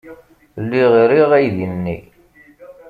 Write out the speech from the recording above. Lliɣ riɣ aydi-nni.